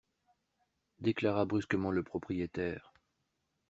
Déclara brusquement le propriétaire.